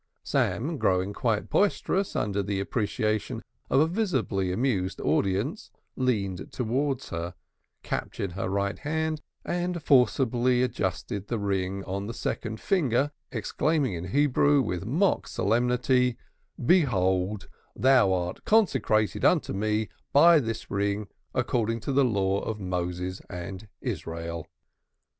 Sam, growing quite boisterous under the appreciation of a visibly amused audience, leaned towards her, captured her right hand, and forcibly adjusted the ring on the second finger, exclaiming in Hebrew, with mock solemnity, "Behold, thou art consecrated unto me by this ring according to the Law of Moses and Israel."